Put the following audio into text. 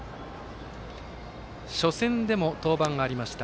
初戦でも登板がありました。